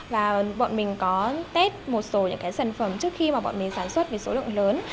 và bọn mình có tết một số những cái sản phẩm trước khi mà bọn mình sản xuất với số lượng lớn